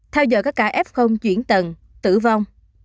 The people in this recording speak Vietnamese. theo dõi các cả f chuyển tầng tử vong